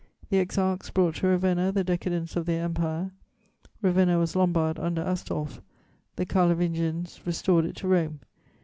The Exarchs brought to Ravenna the decadence of their empire. Ravenna was Lombard under Astolf; the Carlovingians restored it to Rome.